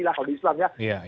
kalau di islam ya